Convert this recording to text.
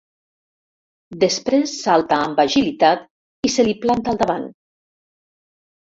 Després salta amb agilitat i se li planta al davant.